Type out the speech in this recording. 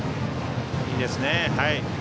いいですね。